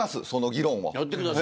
その議論を。